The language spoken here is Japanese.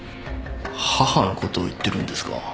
母のことを言ってるんですか？